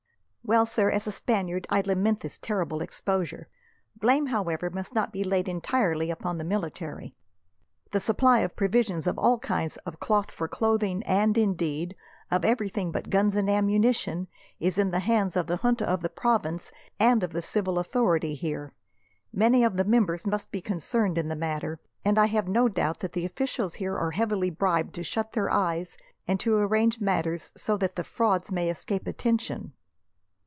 "Well, sir, as a Spaniard I lament this terrible exposure. Blame, however, must not be laid entirely upon the military. The supply of provisions of all kinds, of cloth for clothing, and, indeed, of everything but guns and ammunition, is in the hands of the junta of the province, and of the civil authority here. Many of the members must be concerned in the matter, and I have no doubt that the officials here are heavily bribed to shut their eyes, and to arrange matters so that the frauds may escape attention.